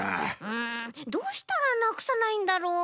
うんどうしたらなくさないんだろう？